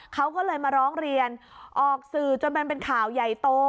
เขาก็เลยมาร้องเรียนออกสื่อจนมันเป็นข่าวใหญ่โต